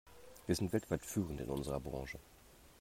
Wir sind weltweit führend in unserer Branche.